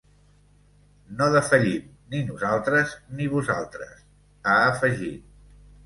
No defallim, ni nosaltres ni vosaltres, ha afegit.